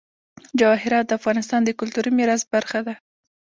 جواهرات د افغانستان د کلتوري میراث برخه ده.